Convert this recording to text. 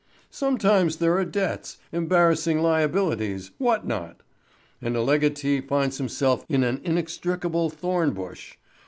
Sometimes there are debts, embarrassing liabilities, what not! And a legatee finds himself in an inextricable thorn bush.